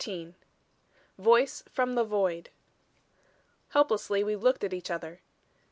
"VOICE FROM THE VOID" Helplessly we looked at each other.